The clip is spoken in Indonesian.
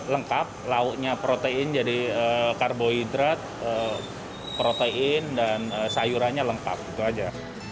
lengkap lauknya protein jadi karbohidrat protein dan sayurannya lengkap itu aja